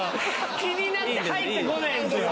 気になって入ってこないんですよ。